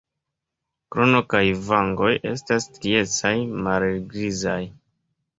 Krono kaj vangoj estas striecaj malhelgrizaj.